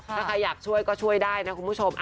ถ้าใครอยากช่วยก็ช่วยได้นะคุณผู้ชม